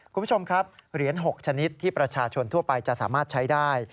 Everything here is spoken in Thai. คุณผู้ชมครับเหรียญ๖ชนิดที่ประชาชนทั่วไปจะสามารถใช้ได้